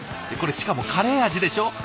これしかもカレー味でしょ。